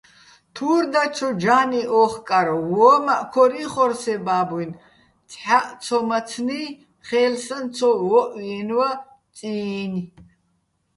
თურ დაჩო ჯა́ნი ო́ხკარ, ვო́მაჸ ქორ იხორ სე ბა́ბუჲნი̆, ცჰ̦აჸცომაცნი́ ხე́ლსაჼ ცო ვო́ჸვიენვა წი́ნი̆.